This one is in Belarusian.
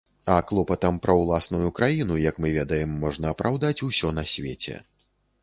А клопатам пра ўласную краіну, як мы ведаем, можна апраўдаць усё на свеце.